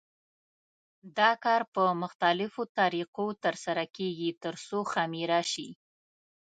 دا کار په مختلفو طریقو تر سره کېږي ترڅو خمېره شي.